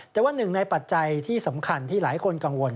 แต่ว่าหนึ่งในปัจจัยที่สำคัญที่หลายคนกังวล